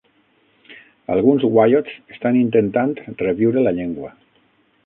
Alguns wiyots estan intentant reviure la llengua.